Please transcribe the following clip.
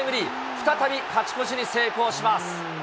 再び勝ち越しに成功します。